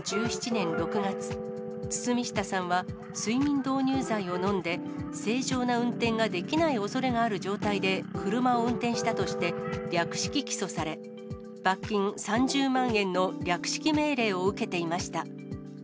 ２０１７年６月、堤下さんは、睡眠導入剤をのんで、正常な運転ができないおそれがある状態で車を運転したとして、略式起訴され、罰金３０万円の略式命令を受けていました。